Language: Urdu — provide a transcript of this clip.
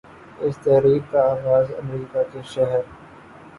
اس تحریک کا آغاز امریکہ کہ شہر